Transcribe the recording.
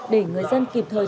để người dân kịp thời